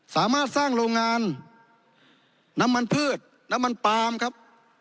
สามารถสร้างโรงงานน้ำมันพืชน้ำมันปาล์มครับ